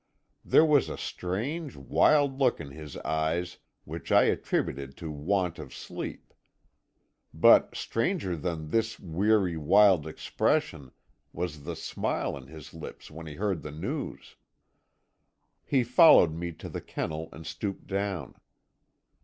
There was a strange, wild look in his eyes which I attributed to want of sleep. But stranger than this weary, wild expression was the smile on his lips when he heard the news. "He followed me to the kennel, and stooped down.